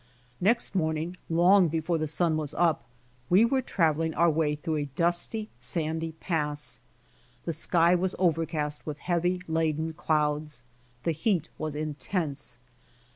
Next morning, long before the sun was up, we were traveling our way through a dusty, sandy pass. The sky was overcast with heavy leaden clouds. The heat was intense.